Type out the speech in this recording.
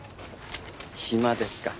暇ですか。